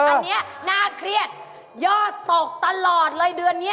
อันนี้น่าเครียดยอดตกตลอดเลยเดือนนี้